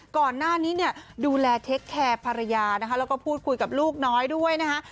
ก่อนหน้านี้เนี่ยดูแลเทคแคร์ภรรยานะคะแล้วก็พูดคุยกับลูกน้อยด้วยนะคะ